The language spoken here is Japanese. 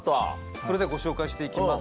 それではご紹介して行きます